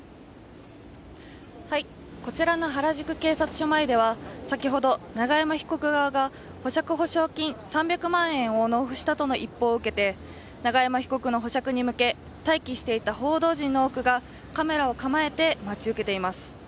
こちらの原宿警察署前では、永山被告が先ほど保釈保証金３００万円を納付したとの一報を受け、永山被告の保釈を受け報道陣の多くがカメラを構えて待ち受けています。